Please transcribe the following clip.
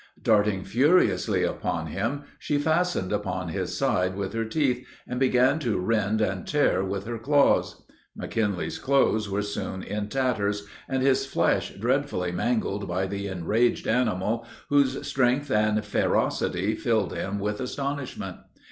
Darting furiously upon him, she fastened upon his side with her teeth, and began to rend and tear with her claws. McKinley's clothes were soon in tatters, and his flesh dreadfully mangled by the enraged animal, whose strength and ferocity filled him with astonishment.